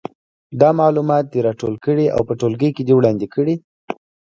دا معلومات دې راټول کړي او په ټولګي کې دې وړاندې کړي.